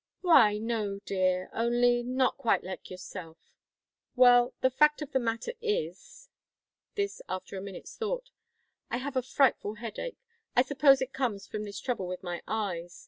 "Why, no, dear, only not quite like yourself." "Well, the fact of the matter is" this after a minute's thought "I have a frightful headache. I suppose it comes from this trouble with my eyes.